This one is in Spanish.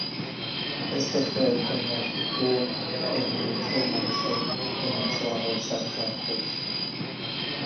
Este fue el primer Tour en el que Manson comenzó a usar zancos.